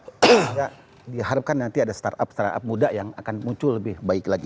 sehingga diharapkan nanti ada startup startup muda yang akan muncul lebih baik lagi